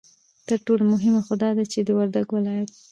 ترټولو مهمه خو دا ده چې د وردگ ولايت